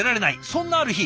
そんなある日。